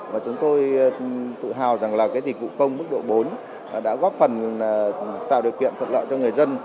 và chúng tôi tự hào rằng là cái dịch vụ công mức độ bốn đã góp phần tạo điều kiện thuận lợi cho người dân